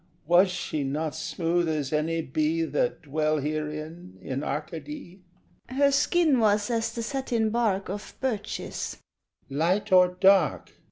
Was she not smooth as any be That dwell herein in Arcady? PILGRIM. Her skin was as the satin bark Of birches. SHEPHERD. Light or dark?